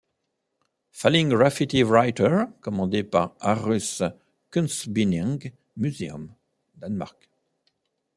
Falling Graffiti writer, commandé par Århus kunstbygning Museum, Danemark.